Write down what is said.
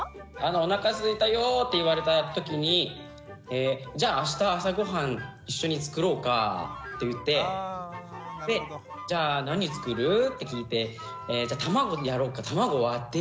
「おなかすいたよ」って言われた時に「じゃあ明日朝ごはん一緒に作ろうか！」って言ってで「じゃあ何作る？」って聞いて「卵やろうか卵割ってみる？」って